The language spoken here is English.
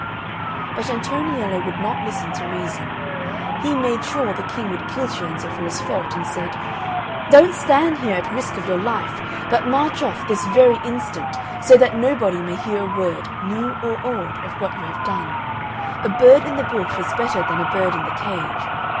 But Antoniello would not listen to reason. He made sure the King would kill Cienzo for his fault and said, "Don't stand here at risk of your life; but march off this very instant, so that nobody may hear a word, new or old, of what you have done. A bird in the bush is better than a bird in the cage.